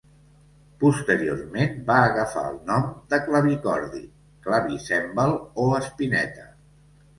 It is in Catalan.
Posteriorment va agafar el nom de clavicordi, clavicèmbal o espineta.